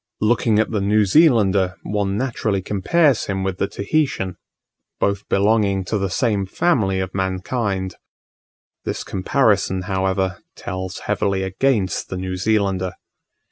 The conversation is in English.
Looking at the New Zealander, one naturally compares him with the Tahitian; both belonging to the same family of mankind. The comparison, however, tells heavily against the New Zealander.